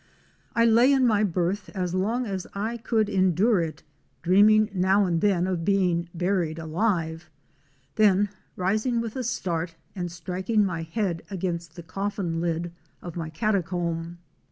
I lay in my berth as long as I could endure it; dreaming now and then of being buried alive, then rising with a start and striking my head against the coffin lid of my catacomb.